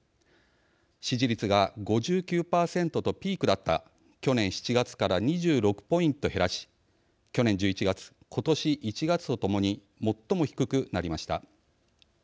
支持率が５９％とピークだった去年７月から２６ポイント減らし去年１１月、今年１月とともに最も低くなりました。